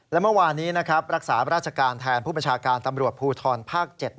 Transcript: และเมื่อวานี้นะครับรักษาราชการแทนผู้บัญชาการตำรวจภูทรภาค๗